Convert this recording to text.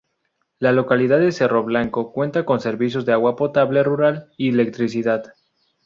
La localidad de Cerro Blanco cuenta con servicios de agua potable rural y electricidad.